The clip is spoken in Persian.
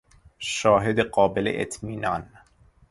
شاهد قابل اطمینان